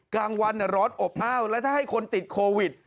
กลางวันร้อนอบอ้าวแล้วถ้าให้คนติดโควิด